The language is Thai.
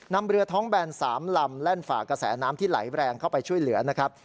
นำเรือท้องแบน๓ลำแล่นฝ่ากระแสน้ำที่ไหลแรงเข้าไปช่วยเหลือนะครับ